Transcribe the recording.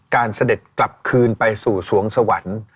เสด็จกลับคืนไปสู่สวงสวรรค์